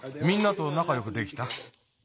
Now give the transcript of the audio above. みんなとなかよくできた？